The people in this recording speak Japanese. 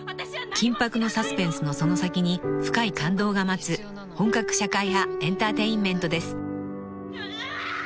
［緊迫のサスペンスのその先に深い感動が待つ本格社会派エンターテインメントです］